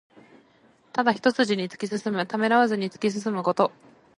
ただ一すじに突き進む。ためらわずに突き進むこと。